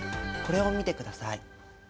これを見てください。